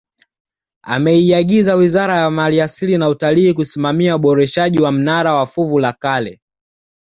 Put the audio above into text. Ameiyagiza Wizara ya maliasili na Utalii kusimamia uboreshaji wa mnara wa fuvu la kale